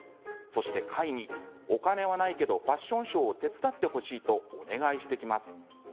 そして開に、お金はないけどファッションショーを手伝ってほしいとお願いしていきます。